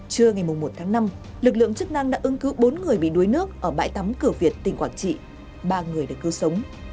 trưa ngày một tháng năm lực lượng chức năng đã ứng cứu bốn người bị đuối nước ở bãi tắm cửa việt tỉnh quảng trị ba người được cứu sống